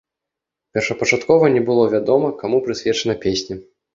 Першапачаткова не было вядома, каму прысвечана песня.